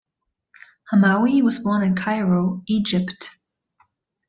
Hamaui was born in Cairo, Egypt.